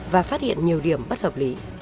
và phát hiện nhiều điểm bất hợp